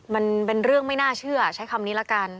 มันเป็นเรื่องไม่น่าเชื่อใช้คำนี้ละกัน